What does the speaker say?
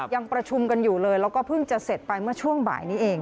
ยังประชุมกันอยู่เลยแล้วก็เพิ่งจะเสร็จไปเมื่อช่วงบ่ายนี้เอง